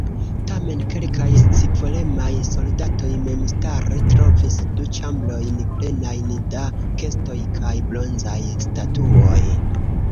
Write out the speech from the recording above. Tamen kelkaj scivolemaj soldatoj memstare trovis du ĉambrojn plenajn da kestoj kaj bronzaj statuoj.